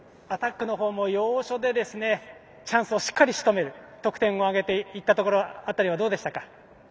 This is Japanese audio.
アタックのほうも要所でチャンスをしっかりしとめる得点を挙げていったところ辺りはどうでしたか？